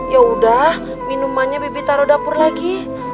yaudah minumannya bibi taruh dapur lagi